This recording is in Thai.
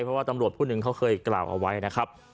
เพราะว่าตำรวจผู้หนึ่งเขาเคยกล่าวเอาไว้นะครับ